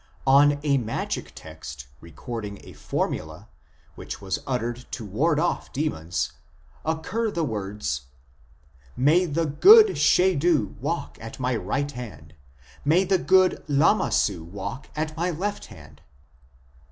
On a magic text recording a formula, which was uttered to ward off demons, occur the words :" May the good Shedu walk at my right hand, may the good Lamassu walk at my left hand."